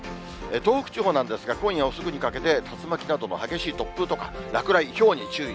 東北地方なんですが、今夜遅くにかけて竜巻などの激しい突風とか、落雷、ひょうに注意。